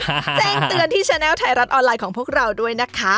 แจ้งเตือนที่แนลไทยรัฐออนไลน์ของพวกเราด้วยนะคะ